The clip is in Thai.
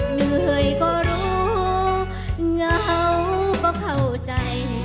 เหนื่อยก็รู้เหงาก็เข้าใจ